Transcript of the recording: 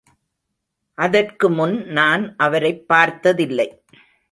அதற்கு முன் நான் அவரைப் பார்த்ததில்லை.